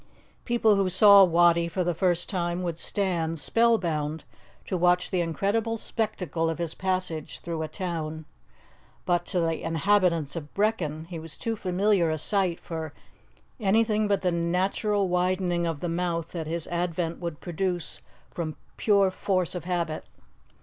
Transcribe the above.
People who saw Wattie for the first time would stand, spell bound, to watch the incredible spectacle of his passage through a town, but, to the inhabitants of Brechin, he was too familiar a sight for anything but the natural widening of the mouth that his advent would produce from pure force of habit.